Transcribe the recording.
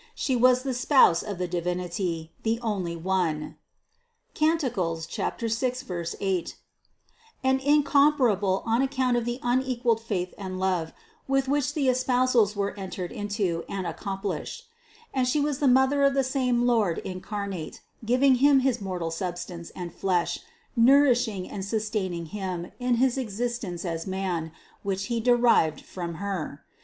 She was the Spouse of the Divinity, the only One (Cant. 6, 8) and incomparable on account of the unequalled faith and love, with which the espousals were entered into and accomplished ; and She was the Mother of the same Lord incarnate, giving Him his mortal substance and flesh, nourishing and sustaining Him in his existence as man, which He derived from Her.